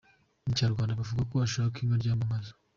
Mu Kinyarwanda bavuga ko ushaka inka aryama nkazo.